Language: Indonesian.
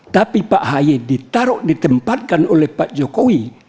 tapi pak haye ditaruh ditempatkan oleh pak jokowi